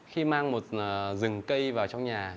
khi mang một rừng cây vào trong nhà